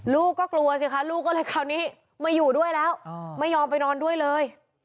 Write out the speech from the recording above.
ลูกก็กลัวสิคะลูกก็เลยคราวนี้ไม่อยู่ด้วยแล้วไม่ยอมไปนอนด้วยเลย